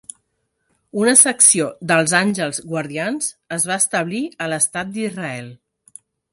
Una secció dels Àngels Guardians es va establir a l'estat d'Israel.